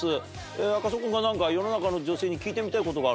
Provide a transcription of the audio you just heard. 赤楚君が何か世の中の女性に聞いてみたいことがあると。